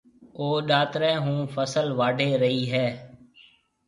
او ڏاتري هون فصل واڍهيَ رئي هيَ۔